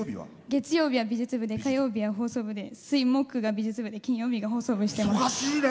月曜日は美術部で火曜日は放送部で水木が美術部で金曜日が放送部してます。